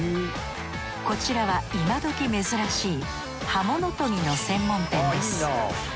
こちらは今どき珍しい刃物研ぎの専門店です。